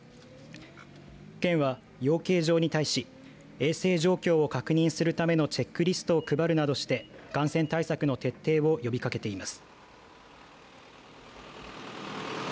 県は、養鶏場に対し衛生状況を確認するためのチェックリストを配るなどして感染対策の徹底を呼びかけています。